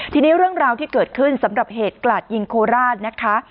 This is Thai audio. ทีนี้เรื่องราวที่เกิดขึ้นสำหรับเหตุกลาดยิงโคราชนะคะ